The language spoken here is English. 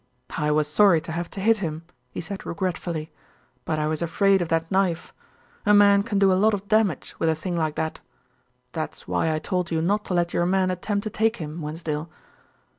"I was sorry to have to hit him," he said regretfully, "but I was afraid of that knife. A man can do a lot of damage with a thing like that. That's why I told you not to let your men attempt to take him, Wensdale."